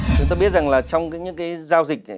chúng ta biết rằng là trong những cái giao dịch